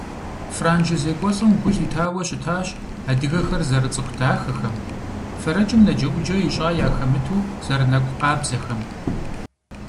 Франджы зекӏуэлӏым гу лъитауэ щытащ адыгэхэр зэрыцӏыху дахэхэм, фэрэкӏым наджэӏуджэ ищӏа яхэмыту зэрынэкӏу къабзэхэм.